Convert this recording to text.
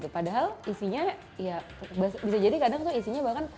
padahal isinya ya bisa jadi kadang tuh isinya bahkan